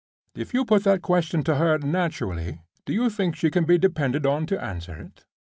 If you put that question to her naturally, do you think she can be depended on to answer it?"